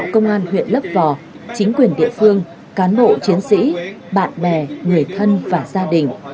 công an huyện lấp vò chính quyền địa phương cán bộ chiến sĩ bạn bè người thân và gia đình